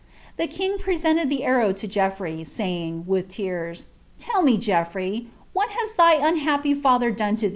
Tlie king prejenied tlie arrow lo Geoffrey, saying, I irtrs, " Tell me, OeoHrey, what has thy unhappy &ther done to